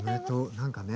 何かね